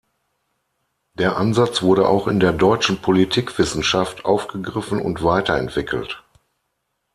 Der Ansatz wurde auch in der deutschen Politikwissenschaft aufgegriffen und weiterentwickelt.